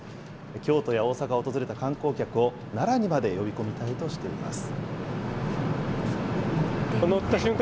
京都や大阪を訪れた観光客を奈良にまで呼び込みたいとしています。